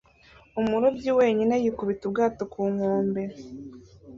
Umurobyi wenyine yikubita ubwato ku nkombe